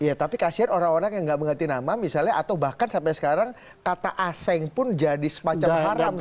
iya tapi kasian orang orang yang nggak mengganti nama misalnya atau bahkan sampai sekarang kata aseng pun jadi semacam haram